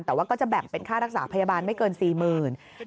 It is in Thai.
แต่ว่าก็จะแบ่งเป็นค่ารักษาพยาบาลไม่เกิน๔๐๐๐บาท